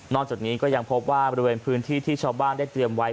จากนี้ก็ยังพบว่าบริเวณพื้นที่ที่ชาวบ้านได้เตรียมไว้